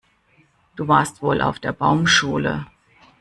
Du warst wohl auf der Baumschule.